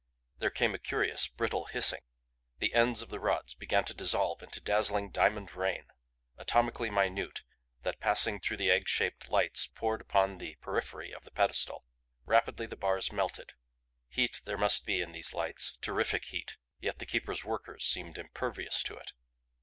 There came a curious, brittle hissing. The ends of the rods began to dissolve into dazzling, diamond rain, atomically minute, that passing through the egg shaped lights poured upon the periphery of the pedestal. Rapidly the bars melted. Heat there must be in these lights, terrific heat yet the Keeper's workers seemed impervious to it.